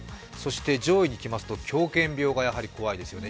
上位にいきますと狂犬病がやはり怖いですよね